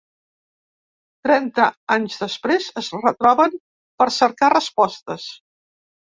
Trenta anys després es retroben per cercar respostes.